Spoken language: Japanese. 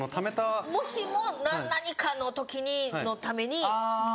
もしも何かの時にのために。